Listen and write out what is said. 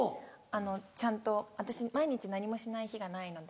ちゃんと私毎日何もしない日がないので。